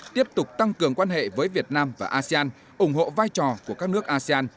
tiếp tục tăng cường quan hệ với việt nam và asean ủng hộ vai trò của các nước asean